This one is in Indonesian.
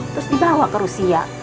terus dibawa ke rusia